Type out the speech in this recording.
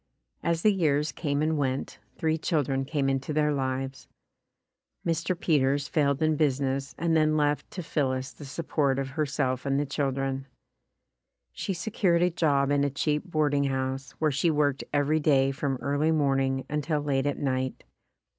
As the years came and went, three children came into their lives. Mr. Peters failed in business and then left to Phillis the sup port of herself and the children. She secured a job in a cheap boarding house, where she worked every day from early morning until late at night.